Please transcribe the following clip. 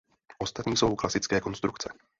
Ostatní jsou klasické konstrukce.